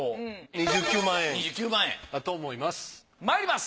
２９万円だと思います。